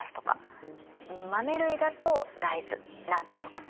豆類だと大豆納豆とか。